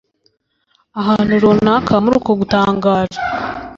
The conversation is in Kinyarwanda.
Ahantu runaka muri uko gutangara